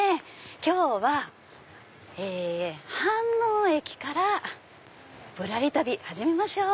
今日は飯能駅からぶらり旅始めましょう。